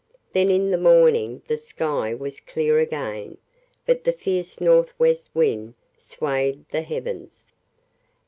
Then in the morning the sky was clear again, but the fierce northwest wind swayed the heavens.